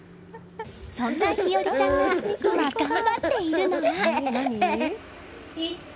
そんな陽和ちゃんが今、頑張っているのが。